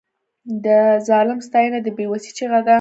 د ظالم ستاینه د بې وسۍ چیغه ده.